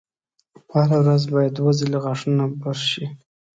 هره ورځ باید دوه ځلې غاښونه برش شي.